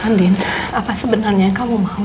andin apa sebenarnya kamu mau